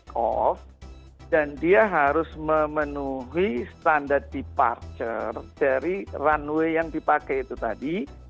cost dan dia harus memenuhi standar departure dari runway yang dipakai itu tadi